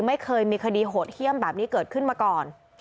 ไม่เคยมีคดีโหดเยี่ยมแบบนี้เกิดขึ้นมาก่อน